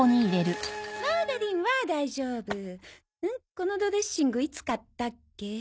このドレッシングいつ買ったっけ？